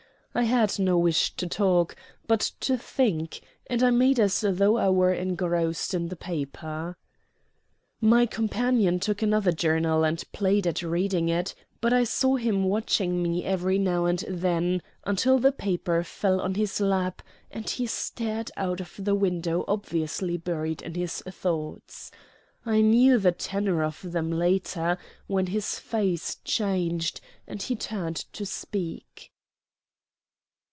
I had no wish to talk, but to think, and I made as though I were engrossed in the paper. My companion took another journal and played at reading it; but I saw him watching me every now and then, until the paper fell on his lap, and he stared out of the window obviously buried in his thoughts. I knew the tenor of them later when his face changed, and he turned to speak.